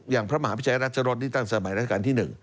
อย่างพระมหาพิชัยรัฐสรรค์นี่ตั้งสมัยรัฐการณ์ที่๑